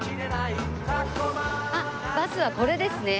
あっバスはこれですね。